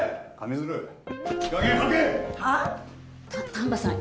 丹波さん